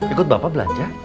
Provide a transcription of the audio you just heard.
ikut bapak belanja